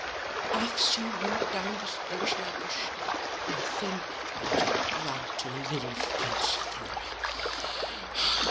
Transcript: But aff she wint down the stairs like a shot, and thin I turned round to the little Frinch furrenner.